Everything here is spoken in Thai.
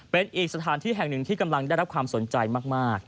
เป็นอีกสถานที่แห่งหนึ่งที่กำลังได้รับความสนใจมาก